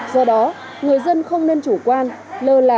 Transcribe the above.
do đó người dân không nên chủ quan lơ là